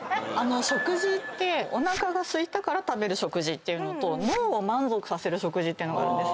食事っておなかがすいたから食べる食事っていうのと脳を満足させる食事っていうのがあるんです。